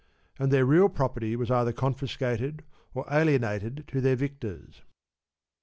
And their real property was either confiscated, or alienated to their victors.